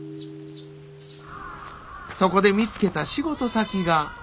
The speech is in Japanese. そこで見つけた仕事先が。